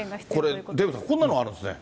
これ、デーブさん、こんなのあるんですね。